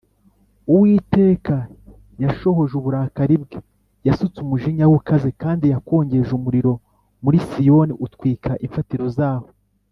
Uwiteka yashohoje uburakari bwe, Yasutse umujinya we ukaze, Kandi yakongeje umuriro muri Siyoni, Utwika imfatiro zaho.